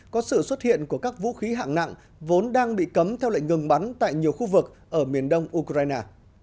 có sự xuất hiện của các vũ khí hạng nặng vốn đang bị cấm theo lệnh ngừng bắn tại nhiều khu vực ở miền đông ukraine